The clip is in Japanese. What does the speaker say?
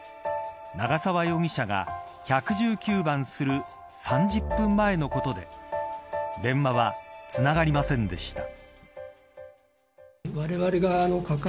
長沢容疑者が１１９番する３０分前のことで電話は、つながりませんでした。